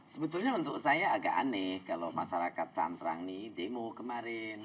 sebetulnya untuk saya agak aneh kalau masyarakat cantrang ini demo kemarin